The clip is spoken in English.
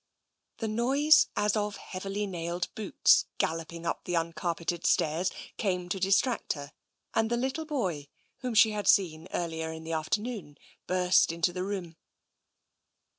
The noise as of heavily nailed boots galloping up the uncarpeted stairs came to distract her, and the little boy whom she had seen earlier in the afternoon burst into the room.